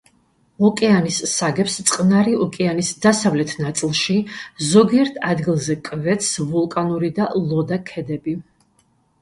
ოკეანის საგებს წყნარი ოკეანის დასავლეთ ნაწილში ზოგიერთ ადგილზე კვეთს ვულკანური და ლოდა ქედები.